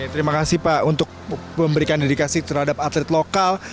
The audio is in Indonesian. terima kasih pak untuk memberikan dedikasi terhadap atlet lokal